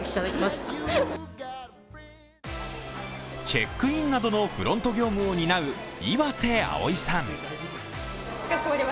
チェックインなどのフロント業務を担う岩瀬葵さん。